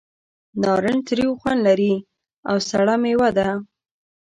نارنج تریو خوند لري او سړه مېوه ده.